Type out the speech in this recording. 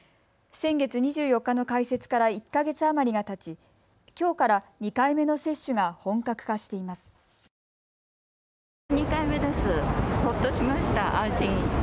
先月２４日の開設から１か月余りがたち、きょうから２回目の接種が本格化しています。